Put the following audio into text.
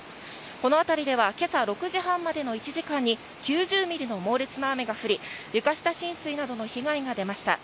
この辺りでは今朝６時半までの１時間に９０ミリの猛烈な雨が降り床下浸水などの被害が出ました。